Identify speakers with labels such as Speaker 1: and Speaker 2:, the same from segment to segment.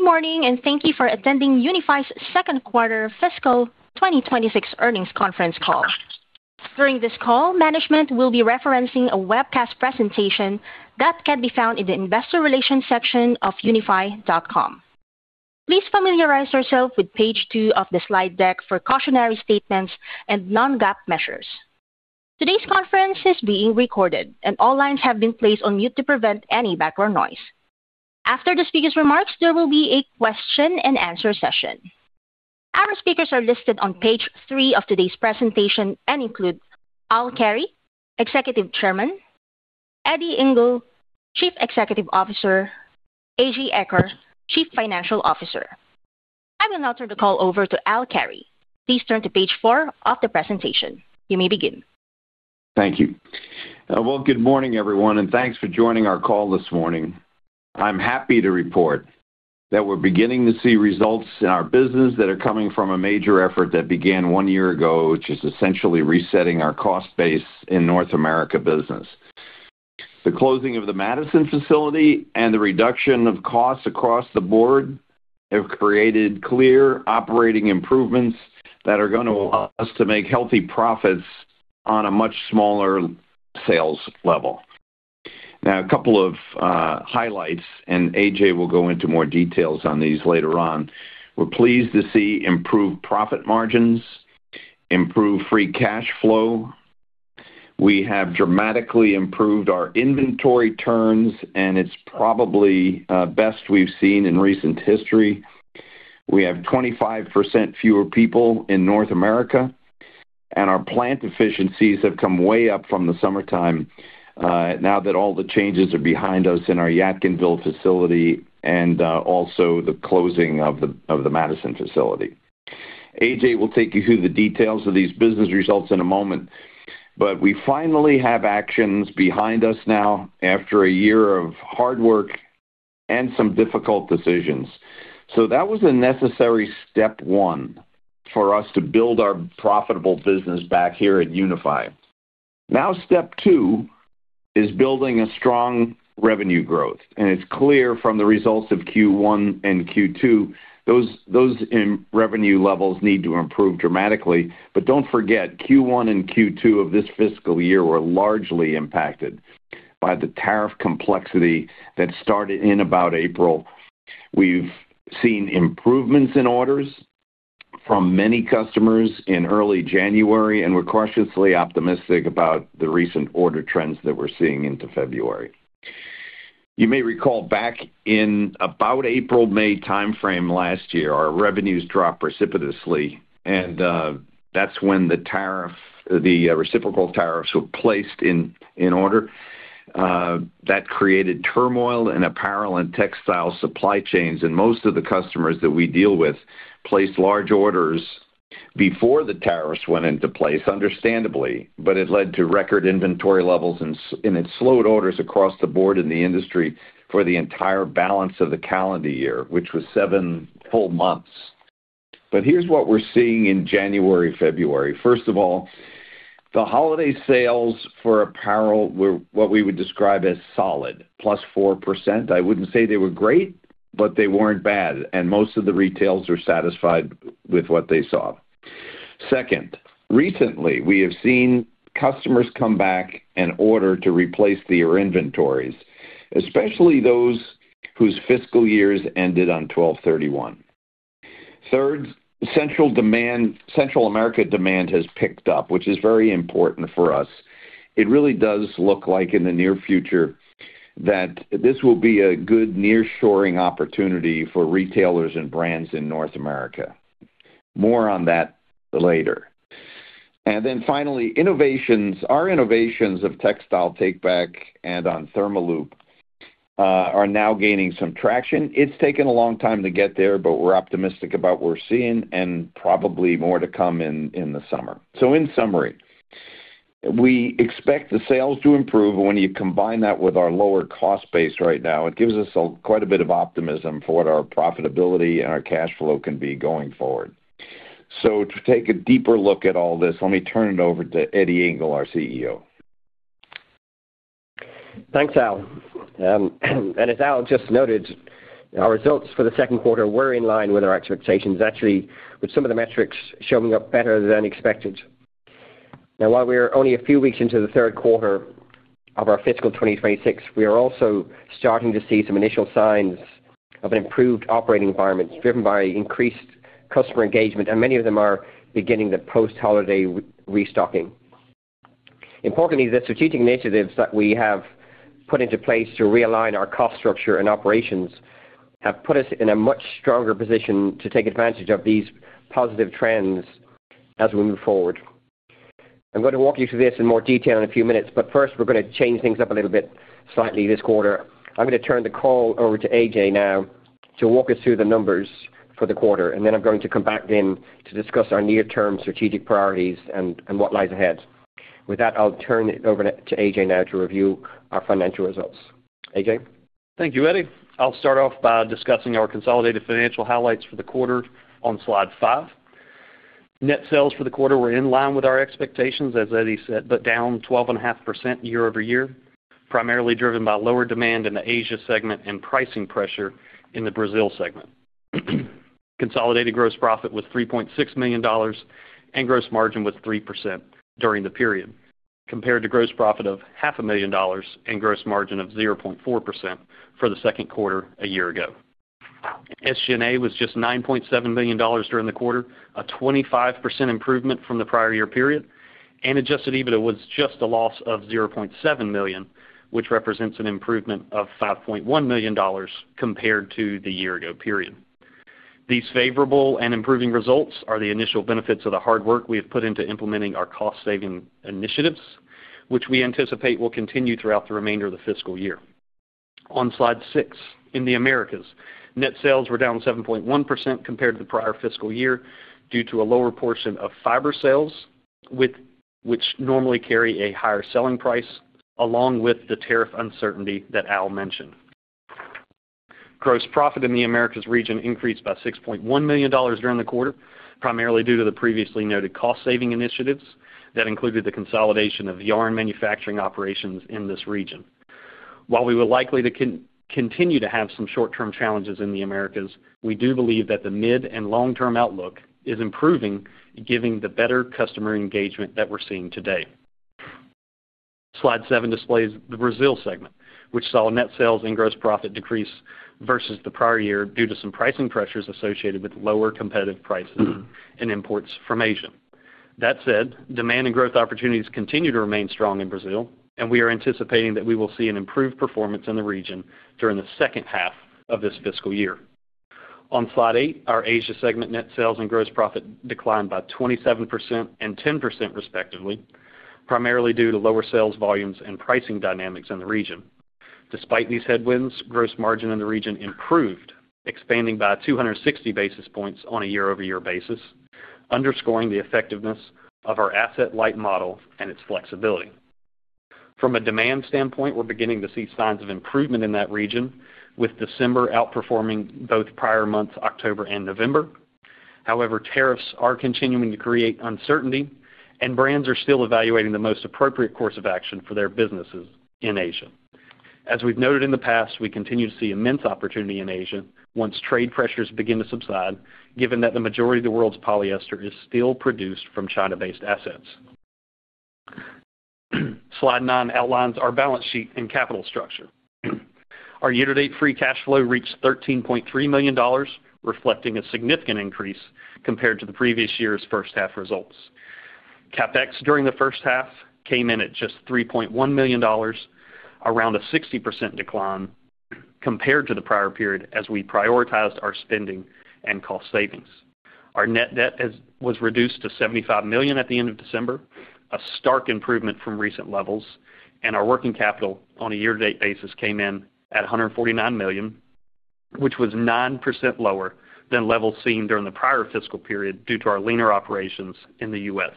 Speaker 1: Good morning and thank you for attending Unifi's Second Quarter Fiscal 2026 Earnings Conference Call. During this call, management will be referencing a webcast presentation that can be found in the investor relations section of unifi.com. Please familiarize yourself with page 2 of the slide deck for cautionary statements and Non-GAAP measures. Today's conference is being recorded, and all lines have been placed on mute to prevent any background noise. After the speaker's remarks, there will be a question-and-answer session. Our speakers are listed on page 3 of today's presentation and include Al Carey, Executive Chairman, Eddie Ingle, Chief Executive Officer, A.J. Eaker, Chief Financial Officer. I will now turn the call over to Al Carey. Please turn to page 4 of the presentation. You may begin.
Speaker 2: Thank you. Well, good morning, everyone, and thanks for joining our call this morning. I'm happy to report that we're beginning to see results in our business that are coming from a major effort that began one year ago, which is essentially resetting our cost base in North America business. The closing of the Madison facility and the reduction of costs across the board have created clear operating improvements that are going to allow us to make healthy profits on a much smaller sales level. Now, a couple of highlights, and A.J. will go into more details on these later on. We're pleased to see improved profit margins, improved free cash flow. We have dramatically improved our inventory turns, and it's probably best we've seen in recent history. We have 25% fewer people in North America, and our plant efficiencies have come way up from the summertime now that all the changes are behind us in our Yadkinville facility and also the closing of the Madison facility. A.J. will take you through the details of these business results in a moment, but we finally have actions behind us now after a year of hard work and some difficult decisions. So that was the necessary step one for us to build our profitable business back here at Unifi. Now step two is building a strong revenue growth, and it's clear from the results of Q1 and Q2 those revenue levels need to improve dramatically. But don't forget, Q1 and Q2 of this fiscal year were largely impacted by the tariff complexity that started in about April. We've seen improvements in orders from many customers in early January, and we're cautiously optimistic about the recent order trends that we're seeing into February. You may recall back in about April-May timeframe last year, our revenues dropped precipitously, and that's when the reciprocal tariffs were placed in order. That created turmoil in apparel and textile supply chains, and most of the customers that we deal with placed large orders before the tariffs went into place, understandably. But it led to record inventory levels, and it slowed orders across the board in the industry for the entire balance of the calendar year, which was seven full months. But here's what we're seeing in January, February. First of all, the holiday sales for apparel were what we would describe as solid, +4%. I wouldn't say they were great, but they weren't bad, and most of the retailers are satisfied with what they saw. Second, recently we have seen customers come back and order to replace their inventories, especially those whose fiscal years ended on 12/31. Third, Central America demand has picked up, which is very important for us. It really does look like in the near future that this will be a good near-shoring opportunity for retailers and brands in North America. More on that later. And then finally, our innovations of textile takeback and on ThermaLoop are now gaining some traction. It's taken a long time to get there, but we're optimistic about what we're seeing and probably more to come in the summer. So in summary, we expect the sales to improve, and when you combine that with our lower cost base right now, it gives us quite a bit of optimism for what our profitability and our cash flow can be going forward. So to take a deeper look at all this, let me turn it over to Eddie Ingle, our CEO.
Speaker 3: Thanks, Al. And as Al just noted, our results for the second quarter were in line with our expectations, actually with some of the metrics showing up better than expected. Now, while we're only a few weeks into the third quarter of our fiscal 2026, we are also starting to see some initial signs of an improved operating environment driven by increased customer engagement, and many of them are beginning the post-holiday restocking. Importantly, the strategic initiatives that we have put into place to realign our cost structure and operations have put us in a much stronger position to take advantage of these positive trends as we move forward. I'm going to walk you through this in more detail in a few minutes, but first we're going to change things up a little bit slightly this quarter. I'm going to turn the call over to AJ now to walk us through the numbers for the quarter, and then I'm going to come back in to discuss our near-term strategic priorities and what lies ahead. With that, I'll turn it over to A.J. now to review our financial results. A.J.?
Speaker 4: Thank you, Eddie. I'll start off by discussing our consolidated financial highlights for the quarter on slide 5. Net sales for the quarter were in line with our expectations, as Eddie said, but down 12.5% year-over-year, primarily driven by lower demand in the Asia segment and pricing pressure in the Brazil segment. Consolidated gross profit was $3.6 million and gross margin was 3% during the period, compared to gross profit of $500,000 and gross margin of 0.4% for the second quarter a year ago. SG&A was just $9.7 million during the quarter, a 25% improvement from the prior year period, and adjusted EBITDA was just a loss of $0.7 million, which represents an improvement of $5.1 million compared to the year-ago period. These favorable and improving results are the initial benefits of the hard work we have put into implementing our cost-saving initiatives, which we anticipate will continue throughout the remainder of the fiscal year. On slide 6, in the Americas, net sales were down 7.1% compared to the prior fiscal year due to a lower portion of fiber sales, which normally carry a higher selling price, along with the tariff uncertainty that Al mentioned. Gross profit in the Americas region increased by $6.1 million during the quarter, primarily due to the previously noted cost-saving initiatives that included the consolidation of yarn manufacturing operations in this region. While we were likely to continue to have some short-term challenges in the Americas, we do believe that the mid and long-term outlook is improving, given the better customer engagement that we're seeing today. Slide 7 displays the Brazil segment, which saw net sales and gross profit decrease versus the prior year due to some pricing pressures associated with lower competitive prices and imports from Asia. That said, demand and growth opportunities continue to remain strong in Brazil, and we are anticipating that we will see an improved performance in the region during the second half of this fiscal year. On slide 8, our Asia segment net sales and gross profit declined by 27% and 10%, respectively, primarily due to lower sales volumes and pricing dynamics in the region. Despite these headwinds, gross margin in the region improved, expanding by 260 basis points on a year-over-year basis, underscoring the effectiveness of our asset-light model and its flexibility. From a demand standpoint, we're beginning to see signs of improvement in that region, with December outperforming both prior months, October and November. However, tariffs are continuing to create uncertainty, and brands are still evaluating the most appropriate course of action for their businesses in Asia. As we've noted in the past, we continue to see immense opportunity in Asia once trade pressures begin to subside, given that the majority of the world's polyester is still produced from China-based assets. Slide 9 outlines our balance sheet and capital structure. Our year-to-date free cash flow reached $13.3 million, reflecting a significant increase compared to the previous year's first-half results. CapEx during the first half came in at just $3.1 million, around a 60% decline compared to the prior period as we prioritized our spending and cost savings. Our net debt was reduced to $75 million at the end of December, a stark improvement from recent levels, and our working capital on a year-to-date basis came in at $149 million, which was 9% lower than levels seen during the prior fiscal period due to our leaner operations in the U.S.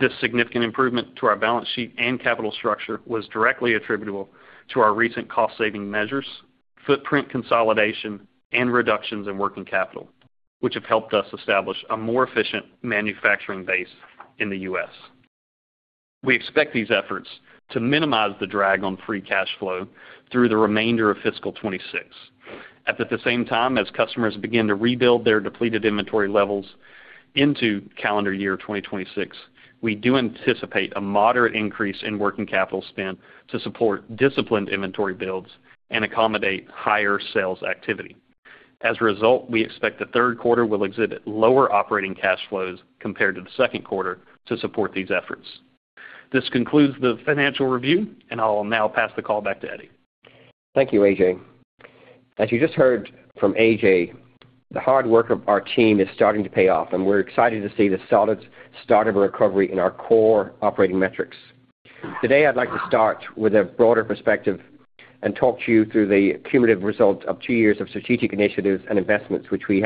Speaker 4: This significant improvement to our balance sheet and capital structure was directly attributable to our recent cost-saving measures, footprint consolidation, and reductions in working capital, which have helped us establish a more efficient manufacturing base in the U.S. We expect these efforts to minimize the drag on free cash flow through the remainder of fiscal 2026. At the same time as customers begin to rebuild their depleted inventory levels into calendar year 2026, we do anticipate a moderate increase in working capital spend to support disciplined inventory builds and accommodate higher sales activity. As a result, we expect the third quarter will exhibit lower operating cash flows compared to the second quarter to support these efforts. This concludes the financial review, and I'll now pass the call back to Eddie.
Speaker 3: Thank you, A.J. As you just heard from A.J., the hard work of our team is starting to pay off, and we're excited to see the solid start of a recovery in our core operating metrics. Today, I'd like to start with a broader perspective and talk to you through the cumulative results of two years of strategic initiatives and investments, which we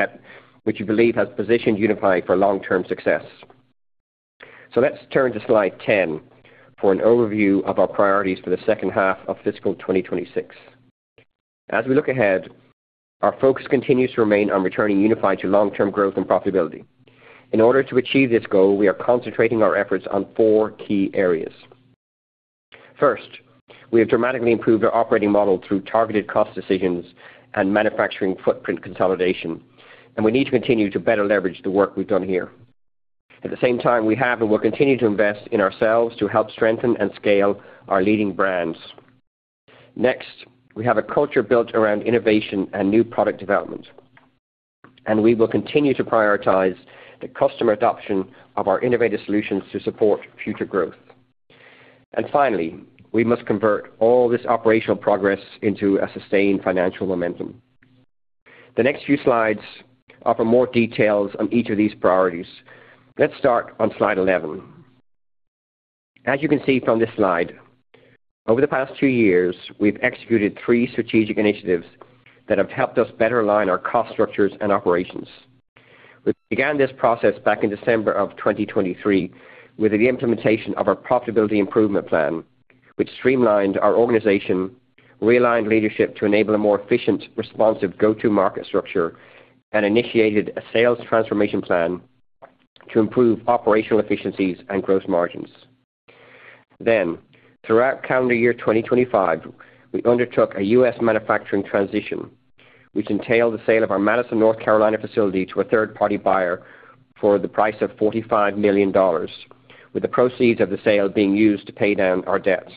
Speaker 3: believe have positioned Unifi for long-term success. Let's turn to slide 10 for an overview of our priorities for the second half of fiscal 2026. As we look ahead, our focus continues to remain on returning Unifi to long-term growth and profitability. In order to achieve this goal, we are concentrating our efforts on four key areas. First, we have dramatically improved our operating model through targeted cost decisions and manufacturing footprint consolidation, and we need to continue to better leverage the work we've done here. At the same time, we have and will continue to invest in ourselves to help strengthen and scale our leading brands. Next, we have a culture built around innovation and new product development, and we will continue to prioritize the customer adoption of our innovative solutions to support future growth. And finally, we must convert all this operational progress into a sustained financial momentum. The next few slides offer more details on each of these priorities. Let's start on slide 11. As you can see from this slide, over the past two years, we've executed three strategic initiatives that have helped us better align our cost structures and operations. We began this process back in December of 2023 with the implementation of our profitability improvement plan, which streamlined our organization, realigned leadership to enable a more efficient, responsive go-to-market structure, and initiated a sales transformation plan to improve operational efficiencies and gross margins. Then, throughout calendar year 2025, we undertook a U.S. manufacturing transition, which entailed the sale of our Madison, North Carolina facility to a third-party buyer for the price of $45 million, with the proceeds of the sale being used to pay down our debt.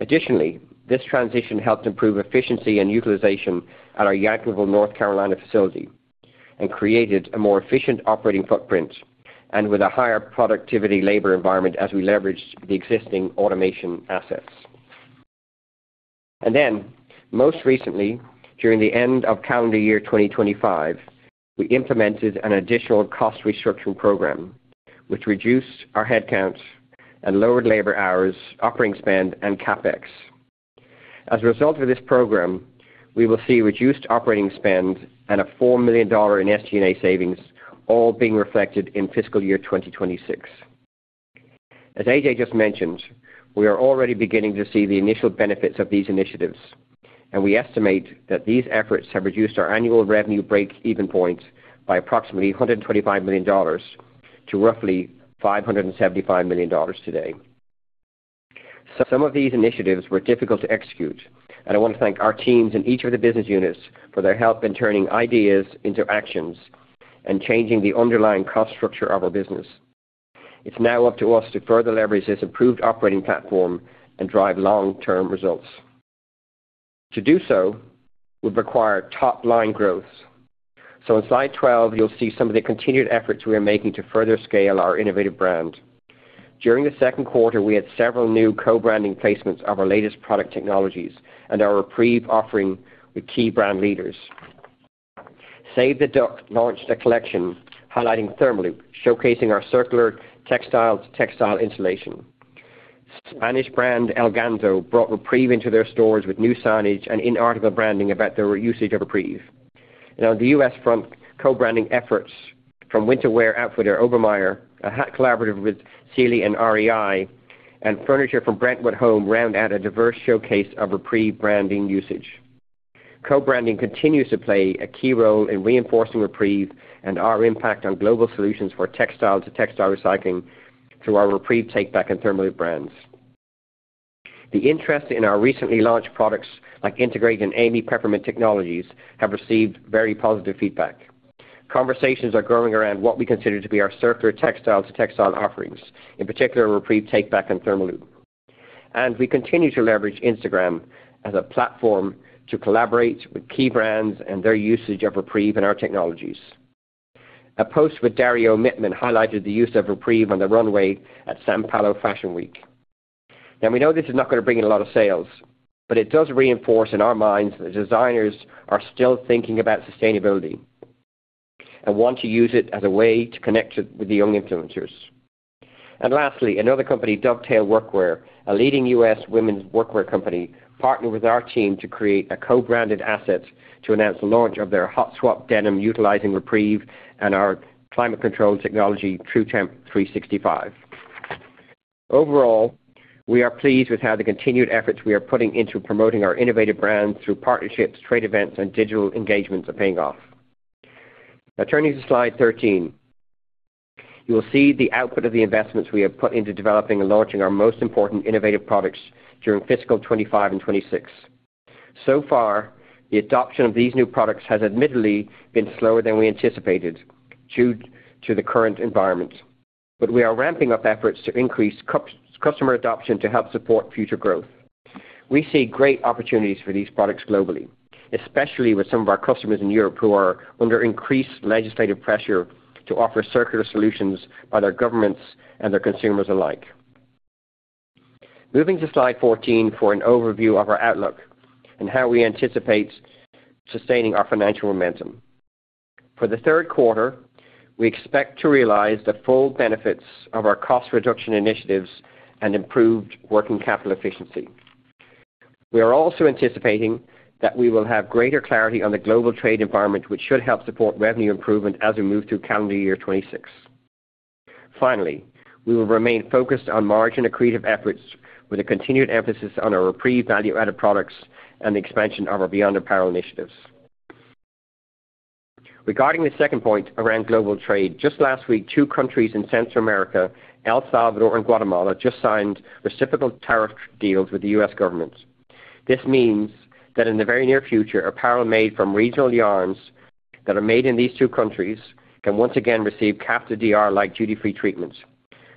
Speaker 3: Additionally, this transition helped improve efficiency and utilization at our Yadkinville, North Carolina facility and created a more efficient operating footprint and with a higher productivity labor environment as we leveraged the existing automation assets. Then, most recently, during the end of calendar year 2025, we implemented an additional cost restructuring program, which reduced our headcount and lowered labor hours, operating spend, and CapEx. As a result of this program, we will see reduced operating spend and a $4 million in SG&A savings all being reflected in fiscal year 2026. As AJ just mentioned, we are already beginning to see the initial benefits of these initiatives, and we estimate that these efforts have reduced our annual revenue break-even points by approximately $125 million-$575 million today. Some of these initiatives were difficult to execute, and I want to thank our teams in each of the business units for their help in turning ideas into actions and changing the underlying cost structure of our business. It's now up to us to further leverage this improved operating platform and drive long-term results. To do so, would require top-line growth. So on slide 12, you'll see some of the continued efforts we are making to further scale our innovative brand. During the second quarter, we had several new co-branding placements of our latest product technologies and our REPREVE offering with key brand leaders. Save the Duck launched a collection highlighting ThermaLoop, showcasing our circular textile to textile insulation. Spanish brand El Ganso brought REPREVE into their stores with new signage and in-article branding about their usage of REPREVE. Now, on the U.S. front, co-branding efforts from winterwear outfitter Obermeyer, a hat collaborative with Ciele and REI, and furniture from Brentwood Home round out a diverse showcase of REPREVE branding usage. Co-branding continues to play a key role in reinforcing REPREVE and our impact on global solutions for textile to textile recycling through our REPREVE Takeback and ThermaLoop brands. The interest in our recently launched products like Integr8 and A.M.Y. Peppermint Technologies have received very positive feedback. Conversations are growing around what we consider to be our circular textile to textile offerings, in particular REPREVE Takeback and ThermaLoop. We continue to leverage Instagram as a platform to collaborate with key brands and their usage of REPREVE and our technologies. A post with Dario Mittmann highlighted the use of REPREVE on the runway at São Paulo Fashion Week. Now, we know this is not going to bring in a lot of sales, but it does reinforce in our minds that designers are still thinking about sustainability and want to use it as a way to connect with the young influencers. And lastly, another company, Dovetail Workwear, a leading U.S. women's workwear company, partnered with our team to create a co-branded asset to announce the launch of their HOTSWAP denim utilizing REPREVE and our climate-controlled technology, TruTemp 365. Overall, we are pleased with how the continued efforts we are putting into promoting our innovative brands through partnerships, trade events, and digital engagements are paying off. Now, turning to slide 13, you will see the output of the investments we have put into developing and launching our most important innovative products during fiscal 2025 and 2026. So far, the adoption of these new products has admittedly been slower than we anticipated due to the current environment, but we are ramping up efforts to increase customer adoption to help support future growth. We see great opportunities for these products globally, especially with some of our customers in Europe who are under increased legislative pressure to offer circular solutions by their governments and their consumers alike. Moving to slide 14 for an overview of our outlook and how we anticipate sustaining our financial momentum. For the third quarter, we expect to realize the full benefits of our cost reduction initiatives and improved working capital efficiency. We are also anticipating that we will have greater clarity on the global trade environment, which should help support revenue improvement as we move through calendar year 2026. Finally, we will remain focused on margin accretive efforts with a continued emphasis on our REPREVE value-added products and the expansion of our Beyond Apparel initiatives. Regarding the second point around global trade, just last week, two countries in Central America, El Salvador and Guatemala, just signed reciprocal tariff deals with the U.S. government. This means that in the very near future, apparel made from regional yarns that are made in these two countries can once again receive CAFTA-DR-like duty-free treatments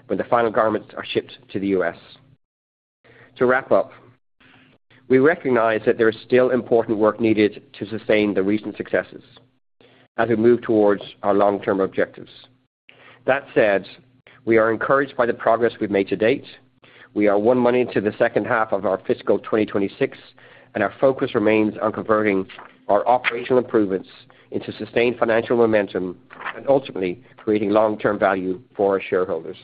Speaker 3: when the final garments are shipped to the U.S. To wrap up, we recognize that there is still important work needed to sustain the recent successes as we move towards our long-term objectives. That said, we are encouraged by the progress we've made to date. We are one money to the second half of our fiscal 2026, and our focus remains on converting our operational improvements into sustained financial momentum and ultimately creating long-term value for our shareholders.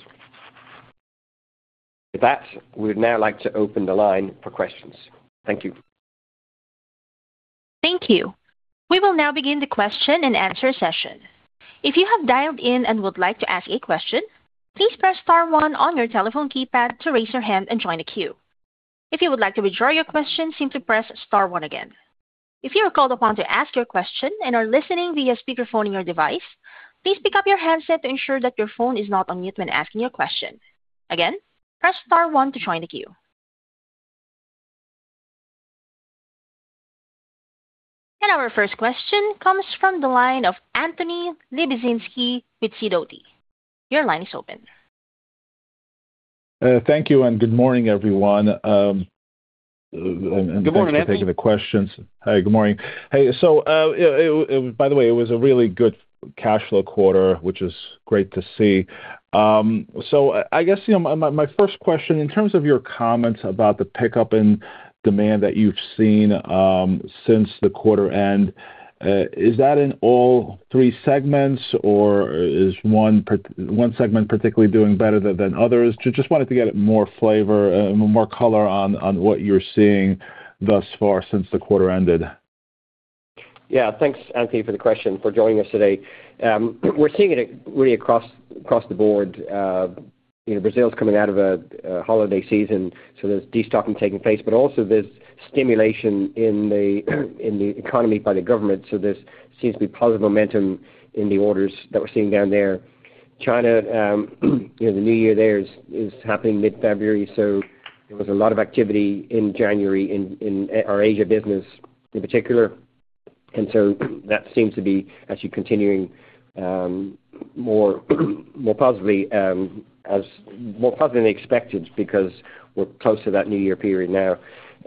Speaker 3: With that, we would now like to open the line for questions. Thank you.
Speaker 1: Thank you. We will now begin the question-and-answer session. If you have dialed in and would like to ask a question, please press star 1 on your telephone keypad to raise your hand and join the queue. If you would like to withdraw your question, simply press star 1 again. If you are called upon to ask your question and are listening via speakerphone in your device, please pick up your handset to ensure that your phone is not on mute when asking your question. Again, press star 1 to join the queue. Our first question comes from the line of Anthony Lebiedzinski with Sidoti & Company. Your line is open.
Speaker 5: Thank you and good morning, everyone. I'm thanking you for taking the questions.
Speaker 3: Good morning, Anthony.
Speaker 5: Hi, good morning. Hey, so by the way, it was a really good cash flow quarter, which is great to see. So I guess my first question, in terms of your comments about the pickup in demand that you've seen since the quarter end, is that in all three segments, or is one segment particularly doing better than others? Just wanted to get more flavor, more color on what you're seeing thus far since the quarter ended.
Speaker 3: Yeah, thanks, Anthony, for the question, for joining us today. We're seeing it really across the board. Brazil's coming out of a holiday season, so there's de-stocking taking place, but also there's stimulation in the economy by the government, so there seems to be positive momentum in the orders that we're seeing down there. China, the New Year there is happening mid-February, so there was a lot of activity in January, in our Asia business in particular. And so that seems to be actually continuing more positively than expected because we're close to that New Year period now.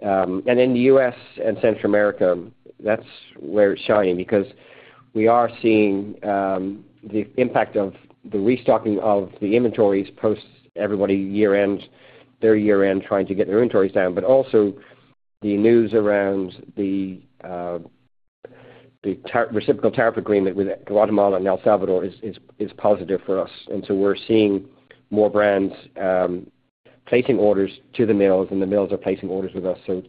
Speaker 3: And then the U.S. and Central America, that's where it's shining because we are seeing the impact of the restocking of the inventories post everybody year-end, their year-end trying to get their inventories down, but also the news around the reciprocal tariff agreement with Guatemala and El Salvador is positive for us. And so we're seeing more brands placing orders to the mills, and the mills are placing orders with us. So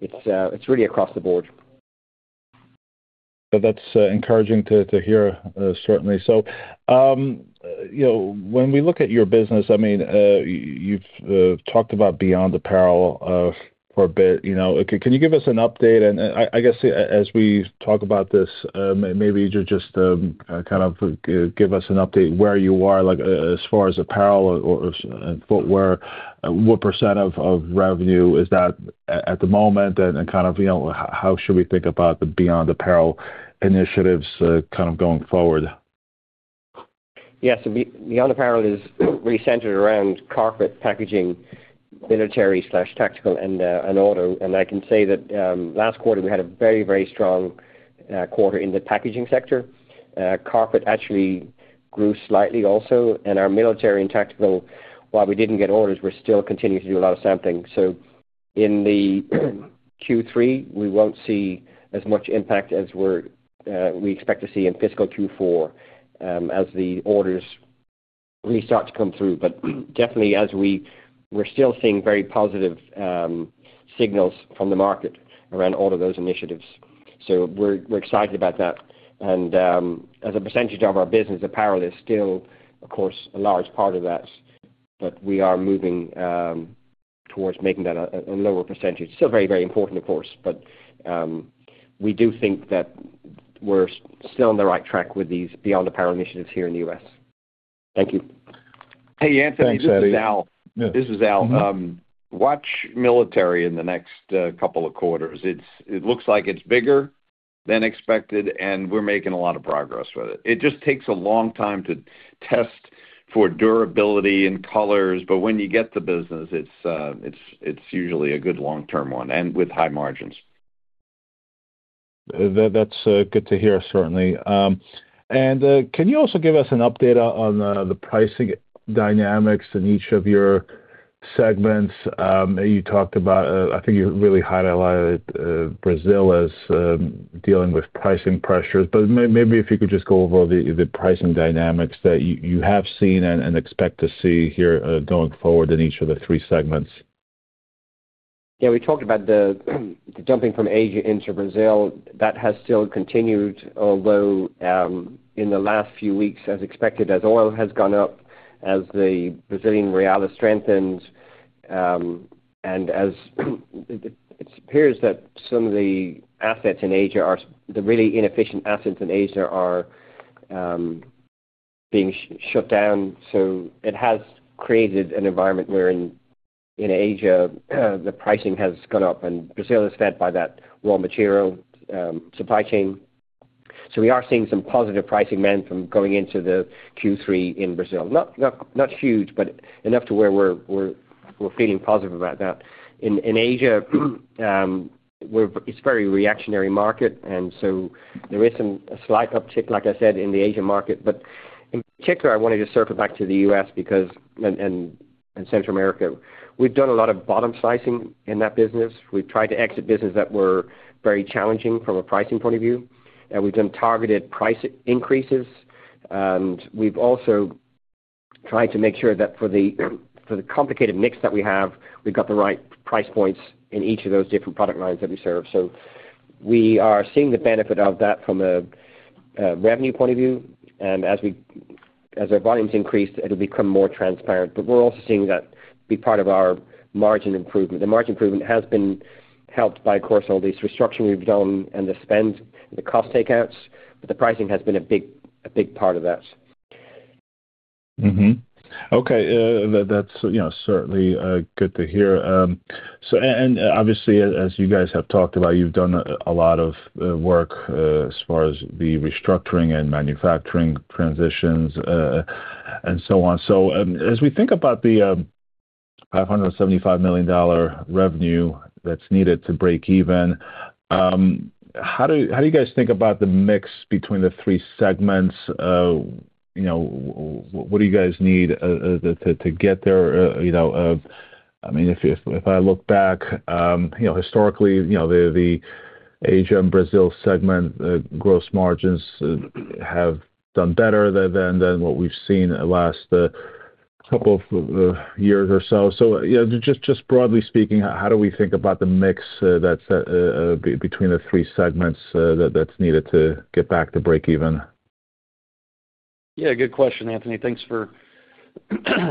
Speaker 3: it's really across the board.
Speaker 5: That's encouraging to hear, certainly. When we look at your business, I mean, you've talked about Beyond Apparel for a bit. Can you give us an update? I guess as we talk about this, maybe you could just kind of give us an update where you are as far as apparel and footwear. What percent of revenue is that at the moment, and kind of how should we think about the Beyond Apparel initiatives kind of going forward?
Speaker 3: Yeah, so Beyond Apparel is really centered around carpet, packaging, military/tactical, and auto. And I can say that last quarter, we had a very, very strong quarter in the packaging sector. Carpet actually grew slightly also. And our military and tactical, while we didn't get orders, we're still continuing to do a lot of sampling. So in the Q3, we won't see as much impact as we expect to see in fiscal Q4 as the orders really start to come through. But definitely, we're still seeing very positive signals from the market around all of those initiatives. So we're excited about that. And as a percentage of our business, apparel is still, of course, a large part of that, but we are moving towards making that a lower percentage. Still very, very important, of course, but we do think that we're still on the right track with these Beyond Apparel initiatives here in the U.S. Thank you.
Speaker 2: Hey, Anthony.
Speaker 5: Thanks, Eddie.
Speaker 2: This is Al. Watch military in the next couple of quarters. It looks like it's bigger than expected, and we're making a lot of progress with it. It just takes a long time to test for durability and colors, but when you get the business, it's usually a good long-term one and with high margins.
Speaker 5: That's good to hear, certainly. Can you also give us an update on the pricing dynamics in each of your segments? You talked about, I think, you really highlighted Brazil as dealing with pricing pressures, but maybe if you could just go over the pricing dynamics that you have seen and expect to see here going forward in each of the three segments?
Speaker 3: Yeah, we talked about the jumping from Asia into Brazil. That has still continued, although in the last few weeks, as expected, as oil has gone up, as the Brazilian real strengthens, and as it appears that some of the assets in Asia are the really inefficient assets in Asia are being shut down. So it has created an environment where in Asia, the pricing has gone up, and Brazil is fed by that raw material supply chain. So we are seeing some positive pricing move from going into the Q3 in Brazil. Not huge, but enough to where we're feeling positive about that. In Asia, it's a very reactionary market, and so there is a slight uptick, like I said, in the Asia market. But in particular, I wanted to circle back to the U.S. and Central America. We've done a lot of bottom-sizing in that business. We've tried to exit businesses that were very challenging from a pricing point of view. We've done targeted price increases. And we've also tried to make sure that for the complicated mix that we have, we've got the right price points in each of those different product lines that we serve. So we are seeing the benefit of that from a revenue point of view. And as our volumes increase, it'll become more transparent. But we're also seeing that be part of our margin improvement. The margin improvement has been helped by, of course, all these restructuring we've done and the spend, the cost takeouts, but the pricing has been a big part of that.
Speaker 5: Okay. That's certainly good to hear. And obviously, as you guys have talked about, you've done a lot of work as far as the restructuring and manufacturing transitions and so on. So as we think about the $575 million revenue that's needed to break even, how do you guys think about the mix between the three segments? What do you guys need to get there? I mean, if I look back, historically, the Asia and Brazil segment, the gross margins have done better than what we've seen the last couple of years or so. So just broadly speaking, how do we think about the mix between the three segments that's needed to get back to break even?
Speaker 4: Yeah, good question, Anthony. Thanks for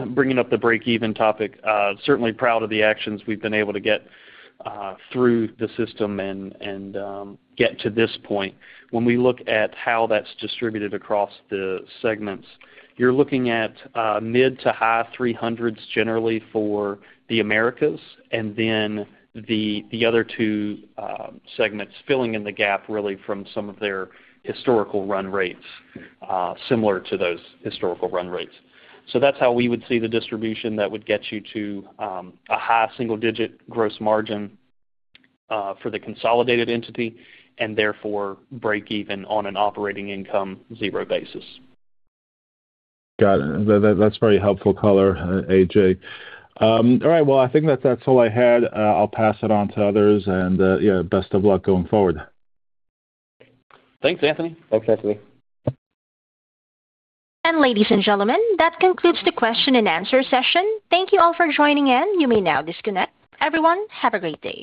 Speaker 4: bringing up the break-even topic. Certainly proud of the actions we've been able to get through the system and get to this point. When we look at how that's distributed across the segments, you're looking at mid- to high-300s generally for the Americas, and then the other two segments filling in the gap really from some of their historical run rates, similar to those historical run rates. So that's how we would see the distribution that would get you to a high single-digit gross margin for the consolidated entity and therefore break even on an operating income zero basis.
Speaker 5: Got it. That's very helpful color, A.J. All right, well, I think that's all I had. I'll pass it on to others, and best of luck going forward.
Speaker 4: Thanks, Anthony.
Speaker 3: Thanks, Anthony.
Speaker 1: Ladies and gentlemen, that concludes the question-and-answer session. Thank you all for joining in. You may now disconnect. Everyone, have a great day.